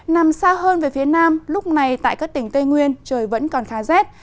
nằm xa hơn về phía nam lúc này tại các tỉnh tây nguyên trời vẫn còn khá rét